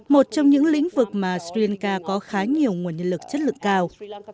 một trong những lĩnh vực mà sri lanka có khá nhiều nguồn nhân lực chất lượng cao